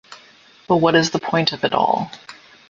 But what is the point of it all?